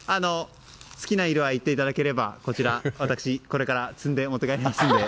好きな色合いを言っていただければ私、これから摘んで持って帰りますので。